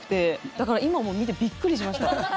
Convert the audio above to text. だから今、見てびっくりしました。